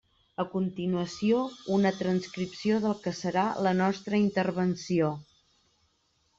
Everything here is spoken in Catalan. A continuació una transcripció del que serà la nostra intervenció.